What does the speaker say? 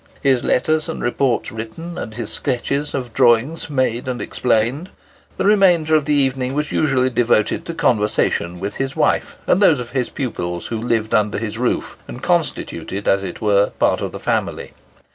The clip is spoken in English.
His letters and reports written, and his sketches of drawings made and explained, the remainder of the evening was usually devoted to conversation with his wife and those of his pupils who lived under his roof, and constituted, as it were, part of the family.